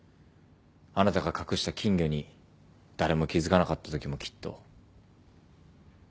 あなたが隠した金魚に誰も気付かなかったときもきっと。